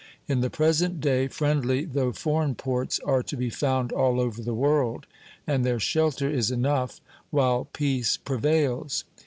In the present day friendly, though foreign, ports are to be found all over the world; and their shelter is enough while peace prevails.